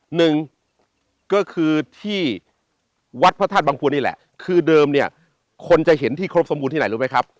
หนึ่งก็คือที่วัดพระธาตุบังควรนี่แหละคือเดิมเนี่ยคนจะเห็นที่ครบสมบูรณที่ไหนรู้ไหมครับ